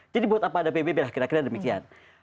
jadi buat apa ada pbb lah kira kira demikian